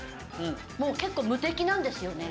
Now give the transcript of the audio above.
もう結構無敵なんですよね。